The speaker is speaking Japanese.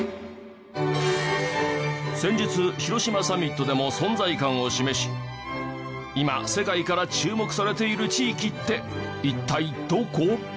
先日広島サミットでも存在感を示し今世界から注目されている地域って一体どこ？